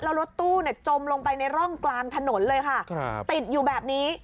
แล้วรถตู้จมลงไปในร่องกลางถนนเลยค่ะติดอยู่แบบนี้